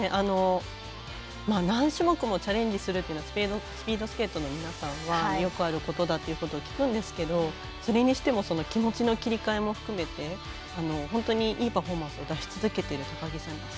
何種目もチャレンジするというのはスピードスケートの皆さんは、よくあることだということを聞くんですがそれにしても気持ちの切り替えも含めて本当にいいパフォーマンスを出し続けている高木さん